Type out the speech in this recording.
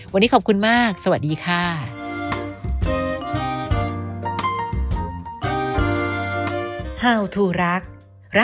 วันนี้ขอบคุณมากสวัสดีค่ะ